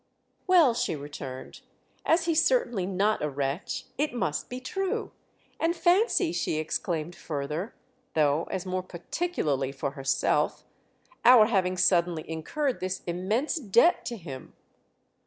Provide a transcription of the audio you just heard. "Well," she returned, "as he's certainly not a wretch it must be true. And fancy," she exclaimed further, though as more particularly for herself, "our having suddenly incurred this immense debt to him!"